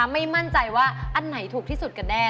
ไม่มั่นใจว่าอันไหนถูกที่สุดกันแน่